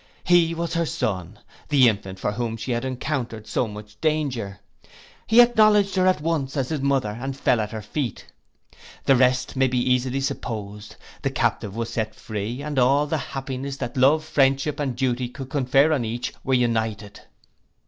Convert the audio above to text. He was her son, the infant for whom she had encounter'd so much danger. He acknowledged her at once as his mother, and fell at her feet. The rest may be easily supposed: the captive was set free, and all the happiness that love, friendship, and duty could confer on each, were united.